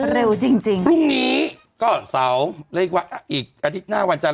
เร็วจริงจริงพรุ่งนี้ก็เสาเรียกว่าอีกอาทิตย์หน้าวันจันท